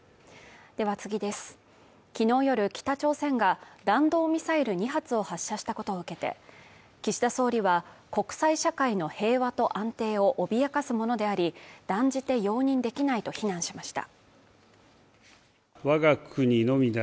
昨日夜、北朝鮮が弾道ミサイル２発を発射したことを受けて岸田総理は国際社会の平和と安定を脅かすものであり断じて容認できないと非難しました